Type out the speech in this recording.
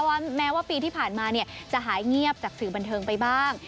แม้ว่าปีที่ผ่านมาจะหายเงียบจากสื่อบันเทิงไปบ้าง